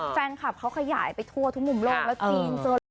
แฟนคลับเขาขยายไปทั่วทุกมุมโลกและจีน